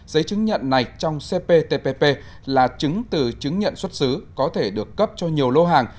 giấy chứng nhận này trong cptpp là chứng từ chứng nhận xuất xứ có thể được cấp cho nhiều lô hàng